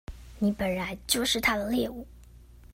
你本來就是他的獵物